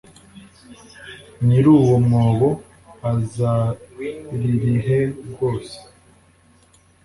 nyir uwo mwobo azaririhe rwose